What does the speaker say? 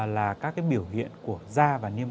là các biểu hiện của da